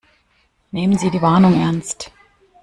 Nehmen Sie die Warnung ernst.